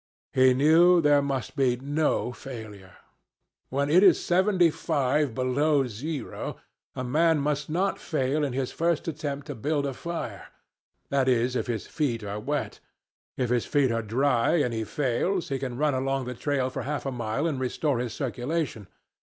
He knew there must be no failure. When it is seventy five below zero, a man must not fail in his first attempt to build a fire—that is, if his feet are wet. If his feet are dry, and he fails, he can run along the trail for half a mile and restore his circulation.